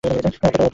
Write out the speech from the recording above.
অতোটাও উদ্ভট না।